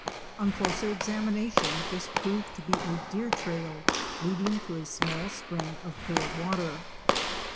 On closer examination this proved to be a deer trail leading to a small spring of clear water.